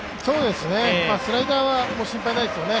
スライダーはもう心配ないですよね。